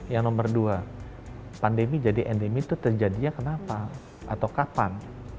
yang nomor dua pandemi jadi endemi itu terjadinya kenapa atau kapan